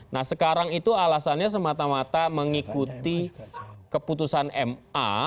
nah sekarang itu alasannya semata mata mengikuti keputusan ma